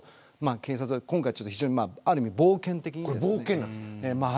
警察は今回は、ある意味冒険的ですね。